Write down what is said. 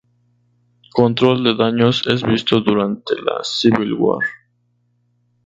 Control de Daños es visto durante la "Civil War".